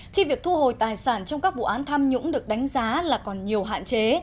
khi việc thu hồi tài sản trong các vụ án tham nhũng được đánh giá là còn nhiều hạn chế